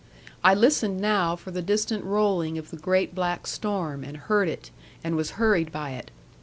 I listened now for the distant rolling of the great black storm, and heard it, and was hurried by it.